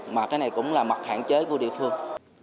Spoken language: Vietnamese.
mà cái này cũng là mặt hạn chế của địa phương